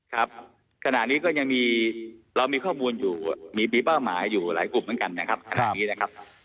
ครับขณะนี้ก็ยังมีเรามีข้อมูลอยู่มีเป้าหมายอยู่หลายกลุ่มเหมือนกันนะครับขณะนี้นะครับ